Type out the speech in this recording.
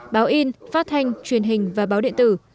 báo in phát thanh truyền hình và báo điện tử